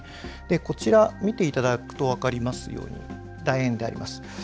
こちらを見ていただくと分かりますようにだ円であります。